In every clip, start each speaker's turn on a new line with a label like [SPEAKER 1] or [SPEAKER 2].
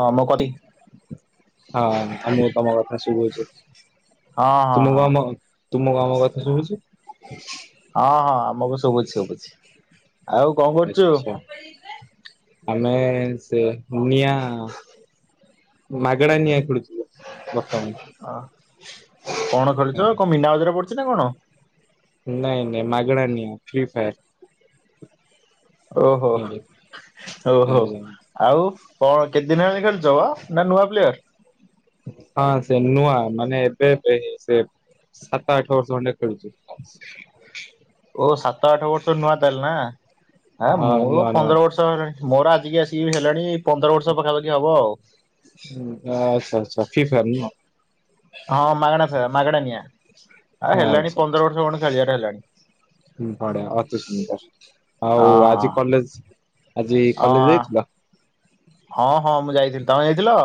[SPEAKER 1] ହଁ ମୋ କତି
[SPEAKER 2] ହଁ ଆମକୁ ତମ କଥା ଶୁଭୁଚି।
[SPEAKER 1] ହଁ ହଁ
[SPEAKER 2] ତୁମକୁ
[SPEAKER 1] ହଁ
[SPEAKER 2] ଆମ ତୁମକୁ ଆମ କଥା ଶୁଭୁଚି?
[SPEAKER 1] ହଁ ହଁ ଆମକୁ ଶୁଭୁଛି ଶୁଭୁଛି। ଆଉ କ
[SPEAKER 2] ଆଚ୍ଛା। ଆମେ ସେ ନିଆଁ ମାଗଣା ନିଆଁ ଖେଳୁଥିଲୁ। ବର୍ତ୍ତମାନ
[SPEAKER 1] ଅ କଣ ଖେଳୁଚ?
[SPEAKER 2] ଆଜ୍ଞା
[SPEAKER 1] କଣ ମୀନା ବଜାର ପଡିଚି ନା କଣ?
[SPEAKER 2] ନାଇଁ ନାଇଁ ମାଗଣା ନିଆଁ ଫ୍ରିଫାୟାର୍।
[SPEAKER 1] ଓହୋ। ଓହୋ।
[SPEAKER 2] ଆଜ୍ଞା
[SPEAKER 1] ଆଉ କଣ କେତେଦିନ ହେଲାଣୀ ଖେଳୁଛ ବା ନା ନୂଆ ପ୍ଲେୟାର?
[SPEAKER 2] ହଁ ସେ ନୂଆ ମାନେ ଏବେବେ ସେ ସାତ ଆଠ ବର୍ଷ ଖଣ୍ଡେ ଖେଳୁଛି।
[SPEAKER 1] ଓ ସାତ ଆଠ ବର୍ଷ ନୂଆ ତାହାଲେ ନା। ଆ
[SPEAKER 2] ହଁ
[SPEAKER 1] ମୁଁ
[SPEAKER 2] ନୂଆ ନୂଆ
[SPEAKER 1] ପନ୍ଦର ବର୍ଷ ହେଲାଣି ମୋର ଆଜିକି ଆସି କି ହେଲାଣି ପନ୍ଦର ବର୍ଷ ପାଖାପାଖି ହବ ଆଉ।
[SPEAKER 2] ହୁଁ ଆଛା ଆଚ୍ଛା ଫ୍ରି ଫାୟାର୍ ନୁହ।
[SPEAKER 1] ହଁ ମାଗଣା ଫେ ମାଗଣା ନିଆଁ ଆଉ
[SPEAKER 2] ହଁ,
[SPEAKER 1] ହେଲାଣି
[SPEAKER 2] ଆଚ୍ଛା।
[SPEAKER 1] ପନ୍ଦର ବର୍ଷ ଖଣ୍ଡେ ଖେଳିବାର ହେଲାଣି।
[SPEAKER 2] ହ ବଢିଆ ଅତି ସୁନ୍ଦର ଆଉ
[SPEAKER 1] ହଁ ହଁ।
[SPEAKER 2] ଆଜି କଲେଜ ଆଜି
[SPEAKER 1] ଅ
[SPEAKER 2] କଲେଜ ଯାଇଥିଲ?
[SPEAKER 1] ହଁ ହଁ ମୁଁ ଯାଇଥିଲି ତମେ ଯାଇଥିଲ?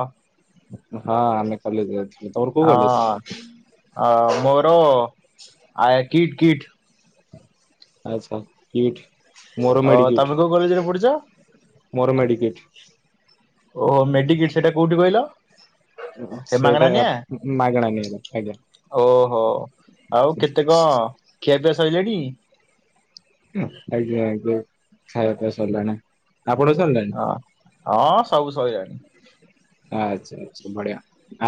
[SPEAKER 2] ହଁ ଆମେ କଲେଜ ଯାଇଥିଲୁ। ତମର କୋଉ କଲେଜ?
[SPEAKER 1] ହଁ ଅ ମୋର ଆ କିଟ୍ କିଟ୍।
[SPEAKER 2] ଆଛା କିଟ୍ ମୋର
[SPEAKER 1] ଅ ତମେ
[SPEAKER 2] ମେଡିକିଟ
[SPEAKER 1] କୋଉ କଲେଜରେ ପଢୁଛ?
[SPEAKER 2] ମୋର ମେଡିକିଟ।
[SPEAKER 1] ଓ ମେଡିକିଟ ସେଟା କୋଉଠି କହିଲ? ହେ
[SPEAKER 2] ସେଇଟା
[SPEAKER 1] ମାଗଣା ନିଆ
[SPEAKER 2] ମାଗଣା ନିଆଗଲା ଆଜ୍ଞା।
[SPEAKER 1] ଓହୋ। ଆଉ କେତେ କଣ ଖିଆପିଆ ସରିଲାଣି?
[SPEAKER 2] ଆଜ୍ଞା ଆଜ୍ଞା ଖାଇବା ପିଇବା ସରିଲାଣି। ଆପଣଙ୍କ ସରିଲା?
[SPEAKER 1] ହ ହଁ ସବୁ ସରିଲାଣି।
[SPEAKER 2] ଆଚ୍ଛା ଆଚ୍ଛା ବଢିଆ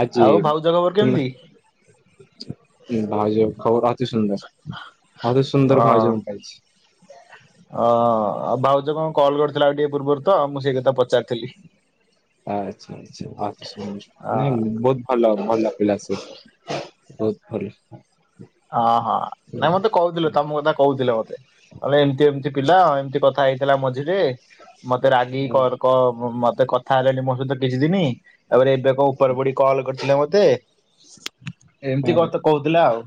[SPEAKER 2] ଆଜି
[SPEAKER 1] ଆଉ ଭାଉଜ ଖବର
[SPEAKER 2] ତୁମେ
[SPEAKER 1] କେମିତି?
[SPEAKER 2] ହଁ ଭାଉଜ ଖବର ଅତି ସୁନ୍ଦର। ଅତି
[SPEAKER 1] ଅ
[SPEAKER 2] ସୁନ୍ଦର ଭାଉଜ ମୁ ପାଇଛି।
[SPEAKER 1] ଅ ଆଉ ଭାଉଜ କଣ କଲ୍ କରିଥିଲା ଆଉ ଟିକେ ପୂର୍ବରୁ ତ ମୁଁ ସେଇ କଥା ପଚାରିଥିଲି।
[SPEAKER 2] ଆଚ୍ଛା ଆଚ୍ଛା ଆଚ୍ଛା
[SPEAKER 1] ଅ
[SPEAKER 2] ଆଚ୍ଛା ନାଇଁ ବହୁ ଭଲ ଭଲ ପିଲା ସେ ବହୁତ ଭଲ।
[SPEAKER 1] ଓ ହଁ ନାଇଁ ମତେ କହୁଥିଲେ ତମ କଥା କହୁଥିଲେ ମତେ। କହିଲେ ଏମିତି ଏମିତି ପିଲା ଏମିତି କଥା ହେଇଥିଲା ମଝିରେ। ମତେ ରାଗିକି କ କ ମତେ କଥା ହେଲେନି ମୋ ସହିତ କିଛି ଦିନ ତାପରେ ଏବେ କ ଉପରେପଡ଼ି କଲ କରିଥିଲେ ମତେ। ଏମିତି କଥା କହୁଥିଲେ ଆଉ।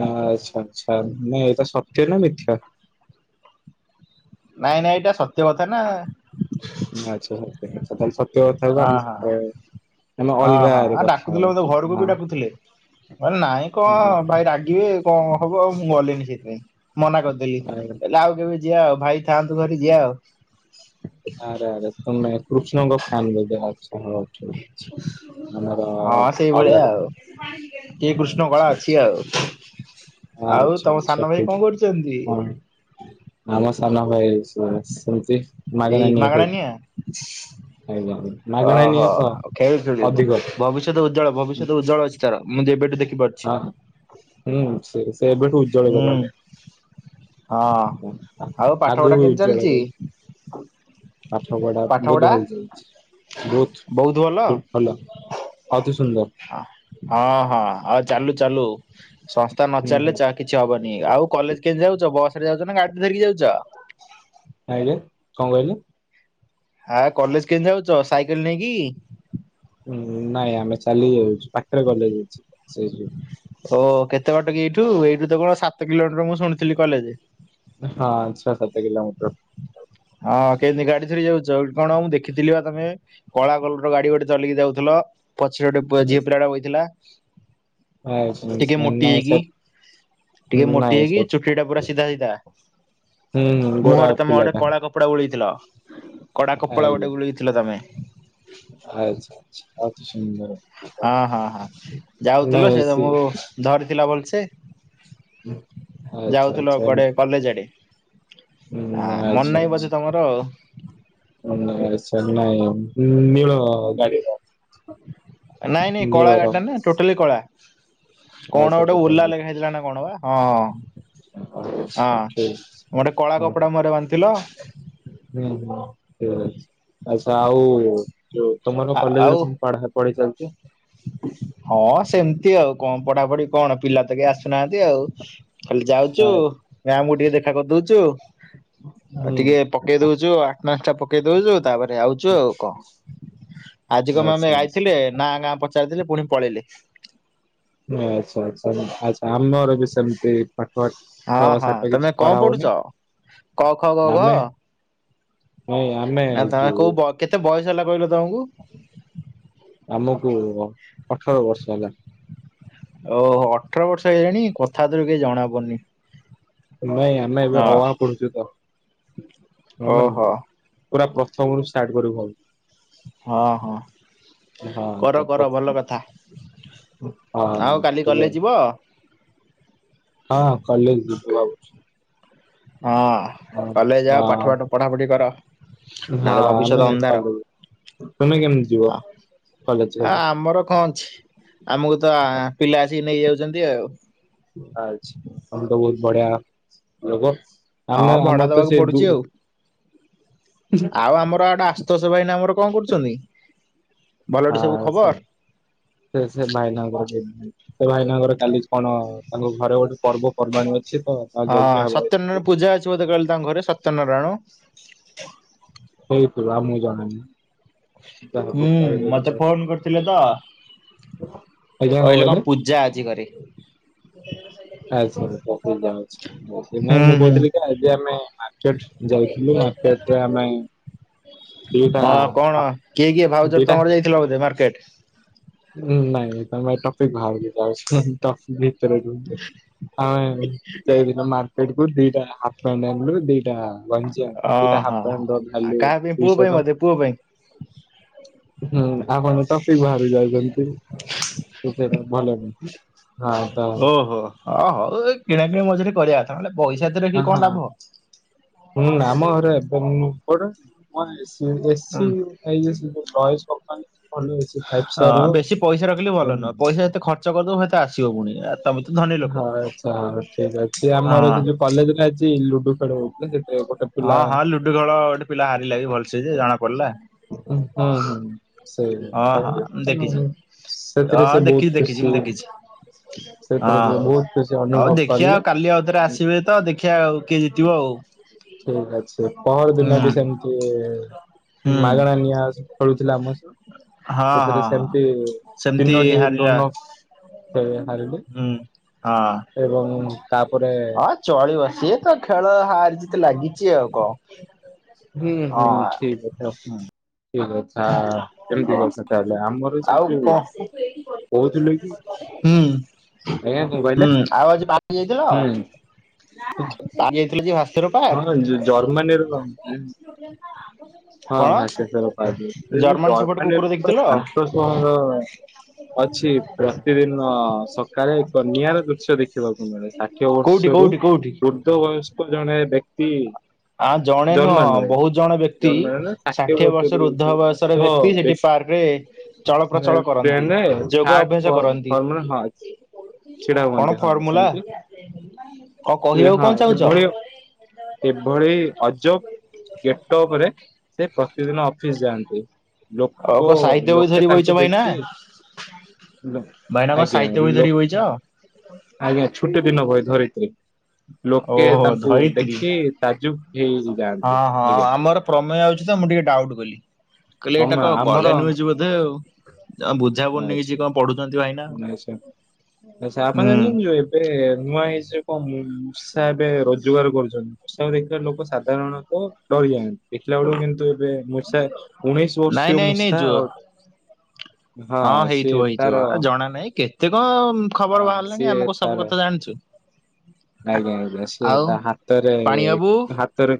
[SPEAKER 2] ନା ଆଚ୍ଛା ଆଚ୍ଛା ନାଇଁ ଏଟା ସତ୍ୟ ନା ମିଥ୍ୟା।
[SPEAKER 1] ନାଇଁ ନାଇଁ ଏଇଟା ସତ୍ୟ କଥା ନା।
[SPEAKER 2] ଆଚ୍ଛା ସତେ ସତ୍ୟ କଥାକୁ ଆମେ ଆମେ
[SPEAKER 1] ଅହଁ
[SPEAKER 2] ଅଲଗାରେ
[SPEAKER 1] ଆଉ
[SPEAKER 2] କଥା
[SPEAKER 1] ଡାକୁଥିଲେ ମତେ ଘରକୁ
[SPEAKER 2] ହବା
[SPEAKER 1] ବି
[SPEAKER 2] ହଁ।
[SPEAKER 1] ଡାକୁଥିଲେ। ହ ନାଇଁ
[SPEAKER 2] ହୁଁ,
[SPEAKER 1] କଣ ଭାଇ ରାଗିବେ କଣ ହବ ଆଉ ମୁଁ ଗଲିନି ସେଥିପାଇଁ ମନା କରିଦେଲି କହିଲି ଆଉ କେବେ ଯିବା ଆଉ ଭାଇ ଥାଆନ୍ତୁ ଘରେ ଯିବା ଆଉ।
[SPEAKER 2] ଆରେ ଆରେ ତୁମେ କୃଷ୍ଣଙ୍କ ଫ୍ୟାନ୍ ବୋଧେ ଆଚ୍ଛା ହଉ। ଠିକ ଅଛି। ଆମର
[SPEAKER 1] ହଁ ସେଇଭଳିଆ
[SPEAKER 2] ଅଲଗା
[SPEAKER 1] ଆଉ ଟିକେ କୃଷ୍ଣ କଳା
[SPEAKER 2] ଆଚ୍ଛା
[SPEAKER 1] ଅଛି
[SPEAKER 2] ଆଚ୍ଛା
[SPEAKER 1] ଆଉ। ଆଉ
[SPEAKER 2] ଆଚ୍ଛା
[SPEAKER 1] ତମ
[SPEAKER 2] ଆଚ୍ଛା
[SPEAKER 1] ସାନ ଭାଇ
[SPEAKER 2] ଠିକ
[SPEAKER 1] କଣ କରୁଛନ୍ତି?
[SPEAKER 2] ହଁ। ଆମ ସାନ ଭାଇ ଖେଳୁଛନ୍ତି।
[SPEAKER 1] ଏଇ ମାଗଣା ନିଆ
[SPEAKER 2] ଆଜ୍ଞା ଆଜ୍ଞା। ମାଗଣା
[SPEAKER 1] ଓହୋ
[SPEAKER 2] ନିଆଁ
[SPEAKER 1] ଆ
[SPEAKER 2] ତ
[SPEAKER 1] ଖେଳୁ ଖେଳ
[SPEAKER 2] ଅଧିକ
[SPEAKER 1] ଭବିଷ୍ୟତ ଉଜ୍ଜ୍ୱଳ ଭବିଷ୍ୟତ ଉଜ୍ଜ୍ୱଳ ଅଛି ତାର ମୁଁ ଯେବେଠୁ ଦେଖି ପାରୁଛି।
[SPEAKER 2] ହଁ ହୁଁ ସେ ସେ ଏବେଠୁ ଉଜ୍ଜ୍ବଳ
[SPEAKER 1] ହୁଁ
[SPEAKER 2] କରେ।
[SPEAKER 1] ହଁ ଆଉ ପାଠ
[SPEAKER 2] ଆଗକୁ
[SPEAKER 1] ପଢ଼ା
[SPEAKER 2] ବି
[SPEAKER 1] କେମିତି
[SPEAKER 2] ଉଜ୍ଜଳ କରୁ
[SPEAKER 1] ଚାଲିଛି?
[SPEAKER 2] ପାଠ ପଢ଼ା
[SPEAKER 1] ପାଠ
[SPEAKER 2] ବହୁତ
[SPEAKER 1] ପଢା?
[SPEAKER 2] ଭଲ ଚାଲିଛି। ବହୁତ ଭଲ ଅତି ସୁନ୍ଦର।
[SPEAKER 1] ହଁ ହଁ ଆଉ ଚାଲୁ ଚାଲୁ ସଂସ୍ଥା ନ
[SPEAKER 2] ହୁଁ
[SPEAKER 1] ଚାଲିଲେ
[SPEAKER 2] ହୁଁ,
[SPEAKER 1] ଚାଲ କିଛି ହବନି ଆଉ କଲେଜ କେମିତି ଯାଉଛ ବସ ରେ ଯାଉଛ ନା ଗାଡ଼ି ଧରିକି ଯାଉଛ?
[SPEAKER 2] ଆଜ୍ଞା କଣ କହିଲେ?
[SPEAKER 1] ଆ କଲେଜ କେମିତି ଯାଉଛ ସାଇକେଲ ନେଇକି?
[SPEAKER 2] ହଁ ନାଇଁ ଆମେ ଚାଲିକି ଯାଉଛୁ ପାଖରେ କଲେଜ ଅଛି ସେଥିପାଇଁ।
[SPEAKER 1] ଓ କେତେ ବାଟ କି ଏଇଠୁ ଏଇଠୁ ତ କଣ ସାତ କିଲୋମିଟର ମୁଁ ଶୁଣିଥିଲି କଲେଜ।
[SPEAKER 2] ହଁ ଛଅ ସାତ କିିଲୋମିଟର।
[SPEAKER 1] ହଁ କେମିତି ଗାଡ଼ି ଧରି ଯାଉଛ କଣ ମୁଁ ଦେଖିଥିଲି ବା ତମେ କଳା କଲର ଗାଡ଼ି ଗୋଟେ ଚଲିକି ଯାଉଥିଲା ପଛରେ ଗୋଟେ ପୁଅ ଝିଅ ପିଲାଟେ ବଇଥିଲା।
[SPEAKER 2] ଆଛା
[SPEAKER 1] ଟିକେ
[SPEAKER 2] ଏ
[SPEAKER 1] ମୋଟି
[SPEAKER 2] ନାଇଁ
[SPEAKER 1] ହେଇକି
[SPEAKER 2] ସାର୍
[SPEAKER 1] ଟିକେ ମୋଟି
[SPEAKER 2] ନାଇଁ
[SPEAKER 1] ହେଇକି
[SPEAKER 2] ସାର୍
[SPEAKER 1] ଚୁଟି ଟା ପୁରା ସିଧା ସିଧା।
[SPEAKER 2] ହୁଁ ଗୋରା
[SPEAKER 1] ମୁହଁରେ ତମେ ଗୋଟେ
[SPEAKER 2] ପିଲାଟା
[SPEAKER 1] କଳା କପଡ଼ା ବୁଳେଇଥିଲ କଳା କପଡ଼ା ଗୋଟେ ବୁଳେଇଥିଲ ତମେ।
[SPEAKER 2] ଆଛା ଆଛା ଅତି ସୁନ୍ଦର ଭଲ।
[SPEAKER 1] ହଁ ହଁ ହଁ ଯାଉଥିଲ ସେ ତମକୁ ଧରିଥିଲା ଭଲ ସେ।
[SPEAKER 2] ଆଚ୍ଛା
[SPEAKER 1] ଯାଉଥିଲ
[SPEAKER 2] ଆଚ୍ଛା ହୁଁ
[SPEAKER 1] କୁଆଡ଼େ କଲେଜ ଆଡ଼େ। ଆ ମନ
[SPEAKER 2] ଆଚ୍ଛା
[SPEAKER 1] ନାହିଁ
[SPEAKER 2] ଆଚ୍ଛା।
[SPEAKER 1] ବୋଧେ ତମର ଆଉ।
[SPEAKER 2] ଆଚ୍ଛା ନାଇଁ ନୀଳ ଗାଡ଼ି ର
[SPEAKER 1] ନାଇଁ ନାଇଁ କଳା
[SPEAKER 2] ରଙ୍ଗ।
[SPEAKER 1] ଗାଡ଼ିଟା ନା ଟୋଟାଲି କଳା। କଣ
[SPEAKER 2] ଆଚ୍ଛା ଆଚ୍ଛା
[SPEAKER 1] ଗୋଟେ ଓଲା
[SPEAKER 2] ଠିକ୍
[SPEAKER 1] ଲେଖା ହେଇଥିଲା ନା କଣ ବା ହଁ। ହଁ
[SPEAKER 2] ଅଛି।
[SPEAKER 1] ଗୋଟେ କଳା
[SPEAKER 2] ହଁ।
[SPEAKER 1] କପଡ଼ା ମୁହଁରେ ବାନ୍ଧିଥିଲ।
[SPEAKER 2] ହୁଁ ହୁଁ ଆଛା ଆଉ ଯୋଉ ତମର
[SPEAKER 1] ଆ ଆଉ
[SPEAKER 2] କଲେଜରେ କଣ ପଢା ପଢ଼େଇ ଚାଲିଛି।
[SPEAKER 1] ହଁ ସେମିତି ଆଉ କଣ ପଢ଼ା ପଢ଼ି କଣ ପିଲା ତ କେହି ଆସୁନାହାନ୍ତି ଆଉ। କାଲି ଯାଉଛୁ
[SPEAKER 2] ଆ,
[SPEAKER 1] ମ୍ୟାମକୁ ଟିକେ ଦେଖା କରିଦଉଛୁ। ଆଉ
[SPEAKER 2] ହୁଁ
[SPEAKER 1] ଟିକେ ପକେଇ ଦଉଛୁ ଆତେଣ୍ଡନେସ୍ ଟା ପକେଇ ଦଉଛୁ ତାପରେ। ଆଉଛୁ ଆଉ କଣ ଆଜି କଣ ଆମେ
[SPEAKER 2] ଆଚ୍ଛା ଆଚ୍ଛା
[SPEAKER 1] ଆଇଥିଲେ ନା ଗାଁ ପ ଚାରିଦେଲେ ପୁଣି ପଳେଇଲେ।
[SPEAKER 2] ଓ ଆଛା ଆଛା ଆଛା ଆମର ବି ସେମିତି
[SPEAKER 1] ହଁ
[SPEAKER 2] ପାଠ
[SPEAKER 1] ହଁ
[SPEAKER 2] ସାଠ
[SPEAKER 1] ତମେ
[SPEAKER 2] କିଛି
[SPEAKER 1] କଣ
[SPEAKER 2] ପଢା
[SPEAKER 1] ପଢୁଛ?
[SPEAKER 2] ହଉନି
[SPEAKER 1] କ ଖ ଗ ଘ
[SPEAKER 2] ଆମେ ନାଇଁ ଆମେ
[SPEAKER 1] ନା ତମେ
[SPEAKER 2] ଯଉ
[SPEAKER 1] କୋଉ ବ କେତେ ବୟସ ହେଲା କହିଲ ତମକୁ?
[SPEAKER 2] ଆମକୁ ଅଠର ବର୍ଷ ହେଲା।
[SPEAKER 1] ଓହୋ ଅଠର ବର୍ଷ ହେଲାଣି କଥା ବାର୍ତା ରୁ କାଇଁ ଜଣା ପଡୁନି।
[SPEAKER 2] ନାଇଁ ଆମେ ଏବେ ଅ
[SPEAKER 1] ହଁ
[SPEAKER 2] ଆ ପଡୁଛୁ ତ ଆ
[SPEAKER 1] ଓହୋ।
[SPEAKER 2] ପୁରା ପ୍ରଥମରୁୁ ଷ୍ଟାର୍ଟ କରିବୁ।
[SPEAKER 1] ହଁ ହଁ।
[SPEAKER 2] ହଁ ତ
[SPEAKER 1] କର କର
[SPEAKER 2] ପ୍ରଥମ
[SPEAKER 1] ଭଲ କଥା
[SPEAKER 2] ହଁ
[SPEAKER 1] ଆଉ କାଲି
[SPEAKER 2] ଟିକେ
[SPEAKER 1] କଲେଜ ଯିବ।
[SPEAKER 2] ହଁ କଲେଜ ଯିବୁ ଭାବୁଚୁ।
[SPEAKER 1] ହଁ କଲେଜ ଯାଅ ପାଠ
[SPEAKER 2] ହଁ
[SPEAKER 1] ପାଠ ପଢାପଢି କର।
[SPEAKER 2] ହଁ
[SPEAKER 1] ନହେଲେ ଭବିଷ୍ୟତ
[SPEAKER 2] ଆମେ
[SPEAKER 1] ଅନ୍ଧାର।
[SPEAKER 2] ଏପାଳୁ ତମେ କେମିତି ଯିବ। କଲେଜ
[SPEAKER 1] ଆ
[SPEAKER 2] କାଲି?
[SPEAKER 1] ଆମର କଣ ଅଛି ଆମକୁ ତ ପିଲା ଆସିକି ନେଇ ଯାଉଛନ୍ତି ଆଉ।
[SPEAKER 2] ଆଛ ତମେ ତ ବହୁତ ବଢିଆ ଲୋକ।
[SPEAKER 1] ହଁ
[SPEAKER 2] ଆମେ
[SPEAKER 1] ଭଡା
[SPEAKER 2] ଆମର ତ
[SPEAKER 1] ଦବାକୁ
[SPEAKER 2] ସେଇ ଦୁ
[SPEAKER 1] ପଡୁଛି ଆଉ ଆଉ ଆମର ଆଡ଼େ ଆସ୍ତୋଷ ଭାଇ ଏଇନା ଆମର କଣ କରୁଛନ୍ତି? ଭଲଟି ସବୁ
[SPEAKER 2] ହଁ ସେ
[SPEAKER 1] ଖବର?
[SPEAKER 2] ସେ ସେ ଭାଇନାଙ୍କର ଯ ସେ ଭାଇନାଙ୍କର କାଲି କଣ ତାଙ୍କ ଘରେ ଗୋଟେ ପର୍ବପର୍ବାଣୀ ଅଛି ତ ତାର
[SPEAKER 1] ହଁ
[SPEAKER 2] ଯଜ୍ଞ ହବ।
[SPEAKER 1] ସତ୍ୟନାରାୟଣ ପୂଜା ଅଛି ବୋଧେ କାଲି ତାଙ୍କ ଘରେ ସତ୍ୟନାରାୟଣ।
[SPEAKER 2] ହଉଥିବ ଆମ କୁ ଜଣା ନାହିଁ।
[SPEAKER 1] ହୁଁ ମତେ ଫୋନ କରିଥିଲେ ତ। କହିଲେ କଣ ପୂଜା ଆଛି ଘରେ।
[SPEAKER 2] ଆଛା [unintelligible] ନାଇଁ
[SPEAKER 1] ହୁଁ
[SPEAKER 2] ମୁଁ
[SPEAKER 1] ହୁଁ
[SPEAKER 2] କହୁଥିଲି କଣ ଏବେ ଆମେ ମାର୍କେଟ ଯାଇଥିଲୁ ମାର୍କେଟ ରେ ଆମେ। ଦିଟା
[SPEAKER 1] ହଁ କଣ କିଏ କିଏ ଭାଉଜର
[SPEAKER 2] ଦିଟା
[SPEAKER 1] ତମର ଯାଇଥିଲା ବୋଧେ ମାର୍କେଟ।
[SPEAKER 2] ନାଇଁ ତମେ ଟପିକ୍ ଭାଉଜ ଫାଉଜ ଟପିକ [unintelligible] ସେଦିନ ମକେର୍ଟ କୁ ଦିଟା ହା ହାପ ପାଣ୍ଟ ଆଣିଲୁ ଦିଟା ଗଞ୍ଜି ଆଣିଲୁ ଦିଟା
[SPEAKER 1] ଓହୋ
[SPEAKER 2] ହାପ ପାଣ୍ଟ ର ଭ୍ୟାଲୁ
[SPEAKER 1] କାହା ପାଇଁ ପୁଅ ପାଇଁ
[SPEAKER 2] ଦୁଇସହ ଟଙ୍କ
[SPEAKER 1] ବୋଧେ ପୁଅ ପାଇଁ?
[SPEAKER 2] ହୁଁ ଆପଣ ଟପିକ ବାହାରେ ଯାଉଚନ୍ତି ସେ ସେଟା ଭଲ ନୁହୁଁ।
[SPEAKER 1] ଓହୋ ହ ହଉ ଏ କିଣାକିଣି ମଝିରେ କରିବା କଥା ନହେଲେ ପଇସା ଏତେ ରଖିକି କଣ ଲାଭ।
[SPEAKER 2] ହଁ ଆମ ଘରେ ଏପଟେ କ ଏସି
[SPEAKER 1] ହୁଁ
[SPEAKER 2] ଏସି ଏଇନେ ସିଏ ଯୋଉ ନଏଜ୍ କମ୍ପାନୀ ଭଲ ଏସି ଫାଇଭ୍ ଷ୍ଟାର
[SPEAKER 1] ହଁ ବେଶୀ ପଇସା ରଖିଲେ
[SPEAKER 2] ର
[SPEAKER 1] ଭଲ ନୁହଁ ପଇସା ଯେତେ ଖର୍ଚ୍ଚ କରିଦବୁ ସେତେ ଆସିବ ପୁଣି ଆ ତମେ ତ ଧନୀ ଲୋକ।
[SPEAKER 2] ହଁ ଆଛା ହଉ ଠିକ ଅଛି
[SPEAKER 1] ହଁ
[SPEAKER 2] ଆମର ସେ ଯୋଉ କଲେଜରେ ଆଜି ଲୁଡୁ ଖେଳ ହଉଥିଲା ସେଇଥିରେ
[SPEAKER 1] ହଁ ହଁ ଲୁଡୁ ଖେଳ ଗୋଟେ ପିଲା ହାରିଲା ଯେ ଭଲସେ ଯେ ଜଣା ପଡିଲା।
[SPEAKER 2] [unintelligible]
[SPEAKER 1] ହଁ
[SPEAKER 2] ସେଇରା
[SPEAKER 1] ହଁ ମୁଁ ଦେଖିଛି।
[SPEAKER 2] [unintelligible] ସେଥିରେ
[SPEAKER 1] ହଁ
[SPEAKER 2] ସେ
[SPEAKER 1] ଦେଖିଛି
[SPEAKER 2] ବହୁତ
[SPEAKER 1] ଦେଖିଛି ମୁଁ
[SPEAKER 2] ଖୁସି ହୁଏ।
[SPEAKER 1] ଦେଖିଛି
[SPEAKER 2] ଖୁସି
[SPEAKER 1] ହଁ
[SPEAKER 2] ଅନୁଭବ
[SPEAKER 1] ହଉ ଦେଖିବା
[SPEAKER 2] କଲେ।
[SPEAKER 1] ଆଉ କାଲି ଆଉ ଥରେ ଆସିବେ ତ ଦେଖିଆ ଆଉ କିଏ ଜିତବ ଆଉ।
[SPEAKER 2] ଠିକ ଅଛି ପହର
[SPEAKER 1] ହୁଁ
[SPEAKER 2] ଦିନ ବି
[SPEAKER 1] ହୁଁ
[SPEAKER 2] ସେମିତି ମାଗଣା ନିଆସ ଖେଳୁଥିଲା ଆମ ସହ
[SPEAKER 1] ହଁ
[SPEAKER 2] ସେଥିରେ
[SPEAKER 1] ହଁ
[SPEAKER 2] ସେମିତି
[SPEAKER 1] ହଁ। ସେମିତି
[SPEAKER 2] ତିନୋଟି
[SPEAKER 1] ହାରିଲା
[SPEAKER 2] ଡୋନକ୍ସ ଖେଳରେ ହାରିଲେ
[SPEAKER 1] ହୁଁ
[SPEAKER 2] ଏବଂ ତାପରେ
[SPEAKER 1] ଅ ଚଳିବ ସିଏ ତ ଖେଳ ହାର ଜିତ୍‌ ଲାଗିଚି ଆଉ କଣ।
[SPEAKER 2] ହୁଁ ହୁଁ
[SPEAKER 1] ହଁ।
[SPEAKER 2] ଠିକ୍ କଥା। ଠିକ କଥା ଏମିତି
[SPEAKER 1] ହଁ
[SPEAKER 2] କଥା ତାହେଲେ ଆମର
[SPEAKER 1] ଆଉ
[SPEAKER 2] ଯେବେ ବି
[SPEAKER 1] କଣ ହୁଁ
[SPEAKER 2] ଆଜ୍ଞା କଣ କହିଲେ
[SPEAKER 1] ହୁଁ ଆଉ ଆଜି ଭାଟି ଯାଇଥିଲ?
[SPEAKER 2] ହୁଁ
[SPEAKER 1] ବାହାରି ଯାଇଥିଲି ଯେ ଭା
[SPEAKER 2] ହଁ ହଁ ଜ ଜର୍ମାନୀ ରୁ ନ ହଁ
[SPEAKER 1] କଣ
[SPEAKER 2] [unintelligible] କିନ୍ତୁ
[SPEAKER 1] ଜର୍ମାନ ସେପଟ କୁକୁର
[SPEAKER 2] ଜର୍ମାନୀରୁର
[SPEAKER 1] ଦେଖିଥିଲ
[SPEAKER 2] ଶାନ୍ତ ସହର ଅଛି ପ୍ରତିଦିନ ସକାଳେ ଏକ ନିଆରା ଦୃଶ୍ୟ ଦେଖିବାକୁ ମିଳେ ଷାଠିଏ
[SPEAKER 1] କୋଉଠି
[SPEAKER 2] ବର୍ଷରୁ
[SPEAKER 1] କୋଉଠି କୋଉଠି?
[SPEAKER 2] ବୃଦ୍ଧ ବୟସ୍କ ଜଣେ ବ୍ୟକ୍ତି
[SPEAKER 1] ଆଁ ଜଣେ ନୁହଁ
[SPEAKER 2] ଜର୍ମାନୀରେ
[SPEAKER 1] ବହୁତ ଜଣ ବ୍ୟକ୍ତ
[SPEAKER 2] ଜର୍ମାନୀରେ
[SPEAKER 1] ବ୍ୟକ୍ତି ଷାଠିଏ
[SPEAKER 2] ବର୍ଷରୁ
[SPEAKER 1] ବର୍ଷର ଉର୍ଦ୍ଧ ବୟସର
[SPEAKER 2] ବୃଦ୍ଧ
[SPEAKER 1] ବ୍ୟକ୍ତି ସେଠି ପାର୍କ ରେ ଚଳ ପ୍ରଚଳ କରନ୍ତି
[SPEAKER 2] ଟ୍ରେନରେ
[SPEAKER 1] ଯୋଗ ଅଭ୍ୟାସ
[SPEAKER 2] ଥାର୍ଡ
[SPEAKER 1] କରନ୍ତି।
[SPEAKER 2] ଫର୍ମରେ ହଁ ଛିଡା ହୁଅନ୍ତି
[SPEAKER 1] କଣ
[SPEAKER 2] ହଁ
[SPEAKER 1] ଫର୍ମୁଲା
[SPEAKER 2] ସେମିତି
[SPEAKER 1] କ କହିବାକୁ
[SPEAKER 2] ହଁ
[SPEAKER 1] କଣ ଚାହୁଁଚ?
[SPEAKER 2] ଏଭଳି ଏଭଳି ଅଜବ ଗେଟ୍ଅପ୍ ରେ ସେ ପ୍ରତିଦିନ ଅଫିସ୍ ଯାଆନ୍ତି।
[SPEAKER 1] ଆଉ
[SPEAKER 2] ଲୋକ
[SPEAKER 1] କଣ ସାହିତ୍ୟ ବହି
[SPEAKER 2] ଲୋକେ
[SPEAKER 1] ଧରି ବଇଛ
[SPEAKER 2] ତାଙ୍କୁ
[SPEAKER 1] ଭାଇନା?
[SPEAKER 2] ଦେଖି ଲୋ
[SPEAKER 1] ଭାଇନା କଣ
[SPEAKER 2] ଆଜ୍ଞା
[SPEAKER 1] ସାହିତ୍ୟ ବହି
[SPEAKER 2] ଲୋ
[SPEAKER 1] ଧରି ବଇଛ
[SPEAKER 2] ଆଜ୍ଞା ଛୁଟି ଦିନ ଭଏ ଧରିତ୍ରୀ ଲୋକେ
[SPEAKER 1] ଓହୋ
[SPEAKER 2] ତାଙ୍କୁ
[SPEAKER 1] ଧରିତ୍ରୀ।
[SPEAKER 2] ଦେଖି ତାଜୁବ୍ ହେଇଯାଆନ୍ତି
[SPEAKER 1] ହଁ ହଁ
[SPEAKER 2] ଏଇଆ।
[SPEAKER 1] ଆମର ପ୍ରମେୟ ଆଉଚି ତ ମୁଁ ଟିକେ ଡାଉଟ୍ କଲି କହିଲେ ଏଇଟା
[SPEAKER 2] ତମେ
[SPEAKER 1] କଁ [unintelligible]
[SPEAKER 2] ଆମର
[SPEAKER 1] ବୋଧେ ଆଉ ତାଙ୍କୁ ବୁଝାପଡୁନି କିଛି କଣ ପଢୁଚନ୍ତି ଭାଇ।
[SPEAKER 2] ନାଇଁ ସାର୍ ଆଚ୍ଛା ଆପଣ ଜଣିଚନ୍ତି ଯୋଉ ଏବେ ନୂଆ ହେଇଚି ଯୋଉ କଣ ମ୍ ମୂଷା ଏବେ ରୋଜଗାର କରୁଚନ୍ତି ମୂଷା ଦେଖିଲେ ଲୋକ ସାଧାରଣତଃ ଡରି ଯାଆନ୍ତି ଦେଖିଲା ବେଳକୁ କିନ୍ତୁ ଏବେ ମୂଷା ଉଣେଇଶି
[SPEAKER 1] ନାଇଁ
[SPEAKER 2] ବର୍ଷୀୟ
[SPEAKER 1] ନାଇଁ ନାଇଁ
[SPEAKER 2] ମୂଷା
[SPEAKER 1] ଯୋ
[SPEAKER 2] ଗୋଟେ
[SPEAKER 1] ହଁ ହେଇଥିବ ହେଇଥିବ ଆ ଜଣା ନାହିଁ କେତେ କଣ ଖବର
[SPEAKER 2] ହଁ
[SPEAKER 1] ବାହାରିଲାଣି
[SPEAKER 2] ସିଏ
[SPEAKER 1] ଆମେ କଣ ସବୁ କଥା ଜାଣୁଚେ।
[SPEAKER 2] ନାଇଁ ଭଣଜା ସିଏ ତା ହାତରେ
[SPEAKER 1] ପାଣି ବାବୁ
[SPEAKER 2] ତା ହାତରେ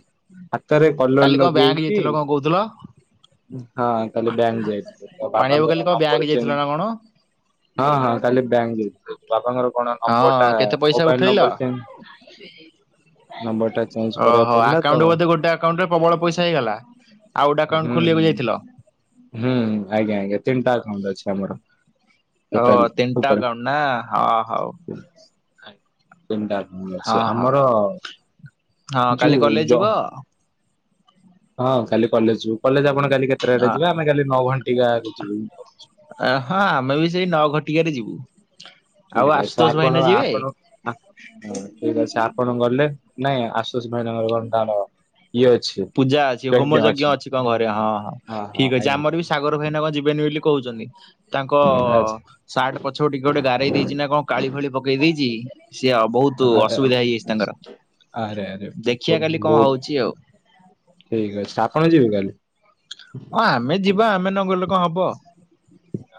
[SPEAKER 2] ହାତରେ କଲର
[SPEAKER 1] କାଲି କଣ ବ୍ୟାଙ୍କ
[SPEAKER 2] ଲଗେଇକି
[SPEAKER 1] ଯାଇଥିଲ କଣ କହୁଥିଲ?
[SPEAKER 2] ହଁ କାଲି ବ୍ୟାଙ୍କ ଯାଇଥିଲେ ତ
[SPEAKER 1] ପାଣି ବାବୁ କାଲି
[SPEAKER 2] ବାପାଙ୍କର
[SPEAKER 1] କଣ ବ୍ୟାଙ୍କ
[SPEAKER 2] ନମ୍ବର
[SPEAKER 1] ଯାଇଥିଲ
[SPEAKER 2] ଚେଞ୍ଜ
[SPEAKER 1] ନା କଣ?
[SPEAKER 2] ହଁ ହଁ କାଲି ବ୍ୟାଙ୍କ ଯାଇଥିଲି ବାପାଙ୍କର କଣ ନମ୍ବର
[SPEAKER 1] ହଁ
[SPEAKER 2] ଟା
[SPEAKER 1] କେତେ ପଇସା
[SPEAKER 2] ମୋବାଇଲ
[SPEAKER 1] ଉଠେଇଲ?
[SPEAKER 2] ନମ୍ବର କେମ
[SPEAKER 1] ଓହୋ
[SPEAKER 2] ତ
[SPEAKER 1] ଆକାଉଣ୍ଟ ବୋଧେ ଗୋଟେ ଆକାଉଣ୍ଟରେ ପ୍ରବଳ ପଇସା ହେଇଗଲା? ଆଉ ଗୋଟେ ଆକାଉଣ୍ଟ
[SPEAKER 2] ହୁଁ
[SPEAKER 1] ଖୋଲିବାକୁ
[SPEAKER 2] ହୁଁ
[SPEAKER 1] ଯାଇଥିଲ।
[SPEAKER 2] ହୁଁ ଆଜ୍ଞା ଆଜ୍ଞା ତିନିଟା ଆକାଉଣ୍ଟ ଅଛି ଆମର।
[SPEAKER 1] ଓ
[SPEAKER 2] ଟୋଟାଲ
[SPEAKER 1] ତିନିଟା
[SPEAKER 2] ଉପରେ।
[SPEAKER 1] ଆକାଉଣ୍ଟ ନା ହ ହଉ।
[SPEAKER 2] ତିନିଟା ଆକାଉଣ୍ଟ
[SPEAKER 1] ହଁ
[SPEAKER 2] ଅଛି
[SPEAKER 1] ହଉ
[SPEAKER 2] ଆମର
[SPEAKER 1] ହଁ କାଲି
[SPEAKER 2] ଯୋଉ
[SPEAKER 1] କଲେଜ
[SPEAKER 2] ଜ
[SPEAKER 1] ଯିବ?
[SPEAKER 2] ହଁ କାଲି କଲେଜ ଯିବୁ କଲେଜ ଆପଣ କାଲି କେତେଟାରେ ଯିବେ ଆମେ କାଲି ନଅ ଘଣ୍ଟିକାକୁ ଯିବୁ।
[SPEAKER 1] ହଁ ଆମେ ବି ସେଇ ନ ଘଟିକାରେ ଯିବୁ। ଆଉ
[SPEAKER 2] ଠିକ ଅଛି
[SPEAKER 1] ଆଶୁତୋଷ ଭାଇନା
[SPEAKER 2] ଆପଣ
[SPEAKER 1] ଯିବେ?
[SPEAKER 2] ଆପଣ ହଁ ଠିକ ଅଛି ଆପଣ ଗଲେ ନାଇଁ ଆସୁଷ ଭାଇଙ୍କର ଟଣ ଇଏ ଅଛି।
[SPEAKER 1] ପୂଜା ଅଛି ହୋମ ଯଜ୍ଞ ଅଛି କଣ ଘରେ ହଁ ହଁ
[SPEAKER 2] ହଁ
[SPEAKER 1] ଠିକ ଅଛି
[SPEAKER 2] ଆଜ୍ଞା
[SPEAKER 1] ଆମର ବି ସାଗର ସେ ଭାଇନା କଣ ଯିବେନି ବୋଲି କହୁଛନ୍ତି ତାଙ୍କ ସାର୍ଟ ପଛପଟେ କିଏ ଗୋଟେ ଗାରେଇ ଦେଇଛି ନା କଣ କାଳି ଫାଳି ପକେଇ ଦେଇଛି ସିଏ ବହୁତ ଅସୁବିଧା ହେଇଯାଇଛି ତାଙ୍କର
[SPEAKER 2] ଆରେ ଆରେ
[SPEAKER 1] ଦେଖିବା କାଲି କଣ
[SPEAKER 2] ବହୁତ
[SPEAKER 1] ହଉଛି ଆଉ।
[SPEAKER 2] ଠିକ ଅଛି ଆପଣ ଯିବେ କାଲି।
[SPEAKER 1] ହଁ ଆମେ ଯିବା ଆମେ ନ ଗଲେ କଣ ହବ।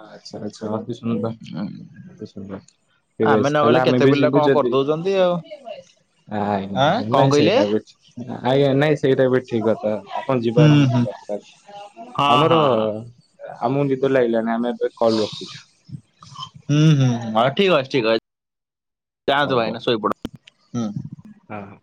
[SPEAKER 2] ଆଚ୍ଛା ଆଚ୍ଛା ଅତି ସୁନ୍ଦର ସୁନ୍ଦର। ଠିକ
[SPEAKER 1] ଆମେ ନଗଲେ
[SPEAKER 2] ତାହେଲେ
[SPEAKER 1] କେତେ
[SPEAKER 2] ଆମେବି
[SPEAKER 1] ପିଲା
[SPEAKER 2] ଯିବୁ
[SPEAKER 1] କଣ
[SPEAKER 2] ଯଦି
[SPEAKER 1] କରିଦଉଛନ୍ତି ଆଉ ଆଁ
[SPEAKER 2] ଆଜ୍ଞା
[SPEAKER 1] କଣ
[SPEAKER 2] ନାଇଁ
[SPEAKER 1] କହିଲେ?
[SPEAKER 2] ସେଇଟା ବି ଆଜ୍ଞା ନାଇଁ ସେଇଟା ବି ଠିକ କଥା ଆପଣ
[SPEAKER 1] ହୁଁ
[SPEAKER 2] ଯିବେନି
[SPEAKER 1] ହୁଁ ହଁ
[SPEAKER 2] ଆମର
[SPEAKER 1] ହଁ ହଁ
[SPEAKER 2] ଆମକୁ ନିଦ ଲାଗିଲାନି ଆମେ ଏବେ କଲ ରଖୁଛୁ।
[SPEAKER 1] ହୁଁ ହୁଁ ଉ ଠିକ ଅଛି ଠିକ ଅଛି
[SPEAKER 2] ହଉ
[SPEAKER 1] ଯାଆନ୍ତୁ
[SPEAKER 2] ହଉ
[SPEAKER 1] ଭାଇନା ଶୋଇପଡନ୍ତୁ। ହୁଁ
[SPEAKER 2] ହଁ